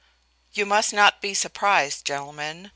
"You must not be surprised, gentlemen.